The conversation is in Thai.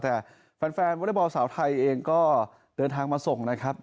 แต่แฟนวอเล็กบอลสาวไทยเองก็เดินทางมาส่งนะครับ